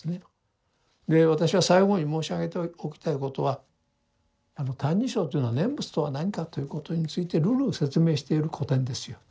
で私は最後に申し上げておきたいことは「歎異抄」というのは念仏とは何かということについて縷々説明している古典ですよ。